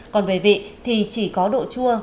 còn về vị thì chỉ có độ chua